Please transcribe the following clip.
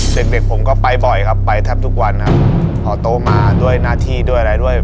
เด็กเด็กผมก็ไปบ่อยครับไปแทบทุกวันครับพอโตมาด้วยหน้าที่ด้วยอะไรด้วย